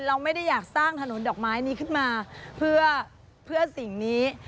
เราไม่ได้อยากสร้างถนนดอกไม้นี้ขึ้นมาเพื่อสิ่งนี้